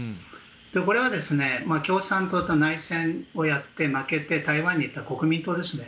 これは共産党と内戦をやって負けて台湾に行った国民党ですね。